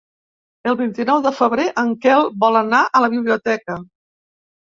El vint-i-nou de febrer en Quel vol anar a la biblioteca.